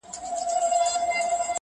زړه چي ستا عشق اکبر کي را ايسار دی-